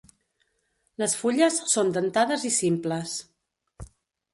Les fulles són dentades i simples.